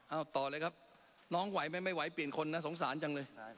เอาต่อเลยครับน้องไหวไหมไม่ไหวเปลี่ยนคนนะสงสารจังเลย